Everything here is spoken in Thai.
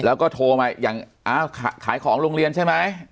แล้วก็โทรมาอย่างขายของโรงเรียนใช่ไหม